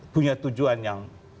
punya tujuan yang